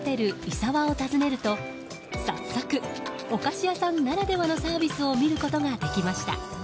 石和を訪ねると早速、お菓子屋さんならではのサービスを見ることができました。